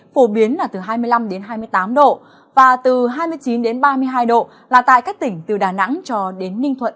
phổ biến là từ hai mươi năm hai mươi tám độ và từ hai mươi chín ba mươi hai độ là tại các tỉnh từ đà nẵng cho đến ninh thuận